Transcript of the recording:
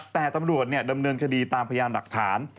แต่ตำรวจดำเนินคดีตามพยานหลักฐาน